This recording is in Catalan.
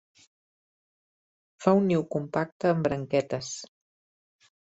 Fa un niu compacte amb branquetes.